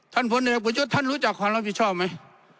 ท่านผลเด็กประโยชน์ท่านรู้จักความรับผิดชอบไหม